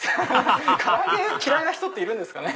嫌いな人いるんですかね。